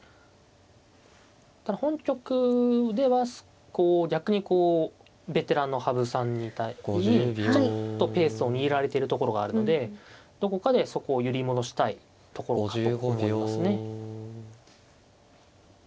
ただ本局では逆にこうベテランの羽生さんにちょっとペースを握られてるところがあるのでどこかでそこを揺り戻したいところかと思いますね。